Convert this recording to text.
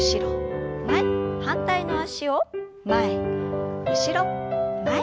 反対の脚を前後ろ前。